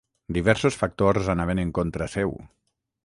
Diversos factors anaven en contra seu.